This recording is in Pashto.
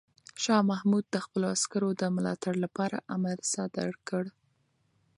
شاه محمود د خپلو عسکرو د ملاتړ لپاره امر صادر کړ.